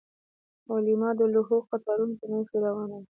ویلما د لوحو د قطارونو په مینځ کې روانه وه